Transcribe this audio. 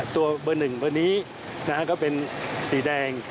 ตัวเบอร์หนึ่งเบอร์นี้ก็เป็นสีแดง